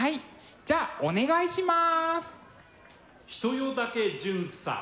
じゃあお願いします。